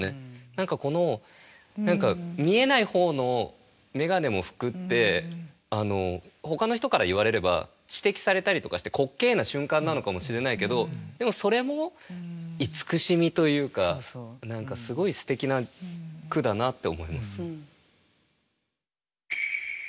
何か見えない方の眼鏡も拭くってほかの人から言われれば指摘されたりとかして滑稽な瞬間なのかもしれないけどでもそれも慈しみというかすごいすてきな句だなと思います。